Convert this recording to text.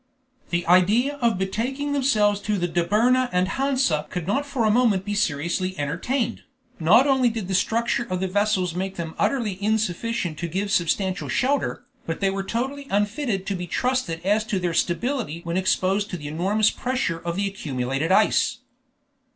The idea of betaking themselves to the Dobryna and Hansa could not for a moment be seriously entertained; not only did the structure of the vessels make them utterly insufficient to give substantial shelter, but they were totally unfitted to be trusted as to their stability when exposed to the enormous pressure of the accumulated ice.